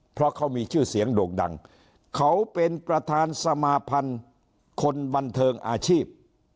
เพราะเขามีชื่อเสียงโด่งดังเขาเป็นประธานสมาพันธ์คนบันเทิงอาชีพ